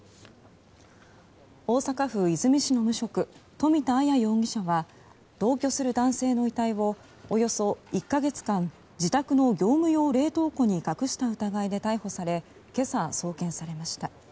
大阪府和泉市の無職富田あや容疑者は同居する男性の遺体をおよそ１か月間自宅の業務用冷凍庫に隠した疑いで逮捕され今朝、送検されました。